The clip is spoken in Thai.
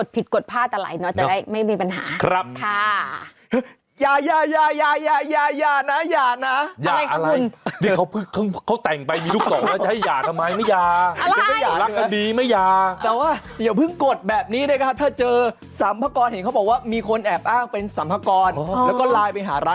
ผิดกฎพลาดอะไรเนอะจะได้ไม่มีปัญหา